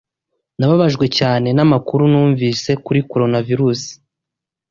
Nababajwe cyane namakuru numvise kuri Coronavirusi.